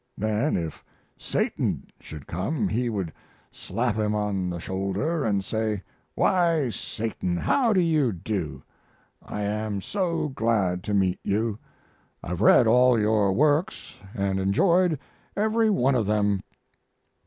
Then if Satan should come, he would slap him on the shoulder and say, 'Why, Satan, how do you do? I am so glad to meet you. I've read all your works and enjoyed every one of them.'